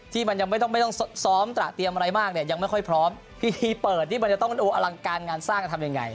ที่มันยังไม่ต้องไม่ต้องซ้อมตระเตรียมอะไรมากเนี่ยยังไม่ค่อยพร้อมพิธีเปิดนี่มันจะต้องดูอลังการงานสร้างจะทำยังไง